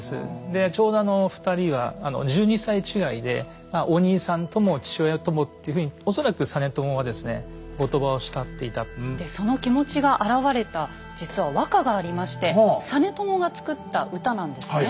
でちょうど２人は１２歳違いでお兄さんとも父親ともっていうふうにでその気持ちが表れた実は和歌がありまして実朝が作った歌なんですね。